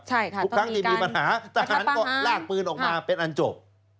ใช่ค่ะต้องมีการประชับประหารทุกครั้งที่มีปัญหาตะหารก็ลากปืนออกมาเป็นอันจบ